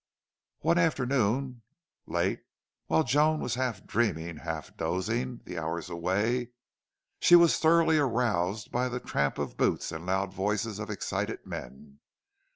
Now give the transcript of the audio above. One afternoon late, while Joan was half dreaming, half dozing the hours away, she was thoroughly aroused by the tramp of boots and loud voices of excited men.